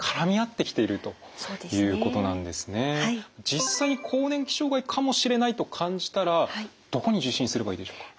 実際に更年期障害かもしれないと感じたらどこに受診すればいいでしょうか。